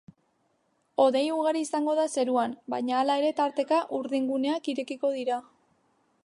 Hodei ugari izango da zeruan, baina hala ere tarteka urdinguneak irekiko dira.